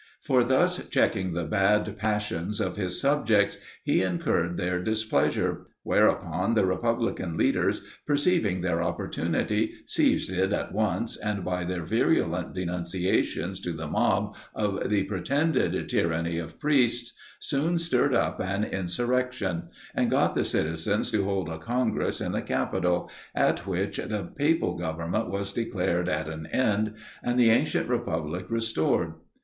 For thus checking the bad passions of his subjects, he incurred their displeasure; whereupon, the republican leaders, perceiving their opportunity seized it at once, and, by their virulent denunciations to the mob of the pretended tyranny of priests, soon stirred up an insurrection; and got the citizens to hold a congress in the Capitol, at which the papal government was declared at an end, and the ancient republic restored.